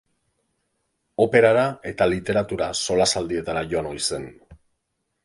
Operara eta literatura solasaldietara joan ohi zen.